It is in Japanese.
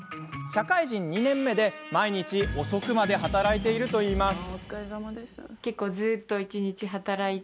社会人２年目で、毎日遅くまで働いているといいます。